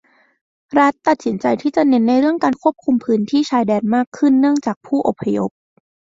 รัฐตัดสินใจที่จะเน้นในเรื่องการควบคุมพื้นที่ชายแดนมากขึ้นเนื่องจากผู้อพยพ